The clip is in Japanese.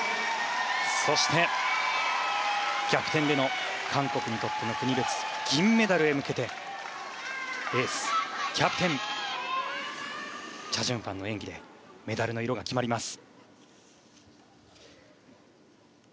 そして、逆転での韓国にとっての国別銀メダルへ向けてエース、キャプテンチャ・ジュンファンの演技でメダルの色が決まります。